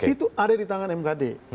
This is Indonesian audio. itu ada di tangan mkd